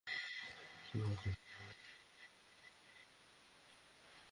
চিকিৎসায় ব্যবহৃত নতুন ধরনের অ্যান্টিবায়োটিক সর্বশেষ আবিষ্কার করা হয়েছিল প্রায় তিন দশক আগে।